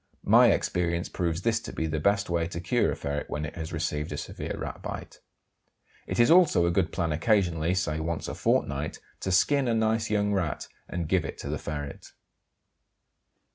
My experience proves this to be the best way to cure a ferret when it has received a severe Rat bite. It is also a good plan occasionally (say once a fortnight) to skin a nice young Rat and give it to the ferret.